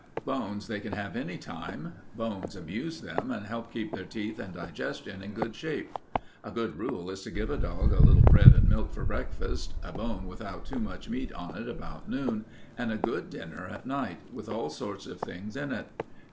Bones they can have any time. Bones amuse 'em and help keep their teeth and digestion in good shape. A good rule is to give a dog a little bread and milk for breakfast, a bone without too much meat on it about noon, and a good dinner at night, with all sorts of things in it.